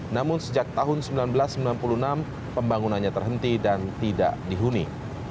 namun sejak tahun seribu sembilan ratus sembilan puluh enam pembangunannya terhenti dan tidak dihuni